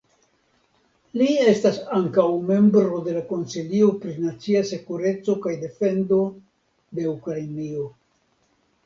Li estas ankaŭ membro de la Konsilio pri nacia sekureco kaj defendo de Ukrainio.